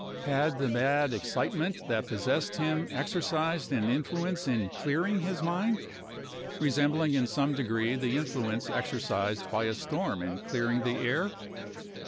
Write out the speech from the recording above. Had the mad excitement that possessed him exercised an influence in clearing his mind, resembling in some degree the influence exercised by a storm in clearing the air?